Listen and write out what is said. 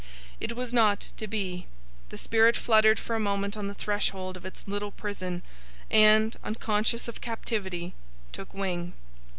It was not to be. The spirit fluttered for a moment on the threshold of its little prison, and, unconscious of captivity, took wing.